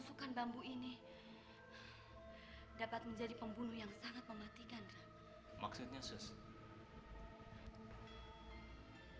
pasukan bambu ini dapat menjadi pembunuh yang sangat mematikan maksudnya susu